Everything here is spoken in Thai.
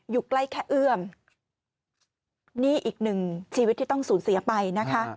อยู่ใกล้แค่เอื้อมนี่อีกหนึ่งชีวิตที่ต้องสูญเสียไปนะคะ